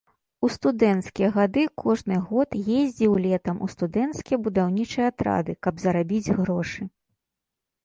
У студэнцкія гады кожны год ездзіў летам у студэнцкія будаўнічыя атрады, каб зарабіць грошы.